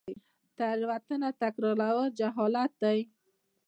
تیروتنه تکرارول جهالت دی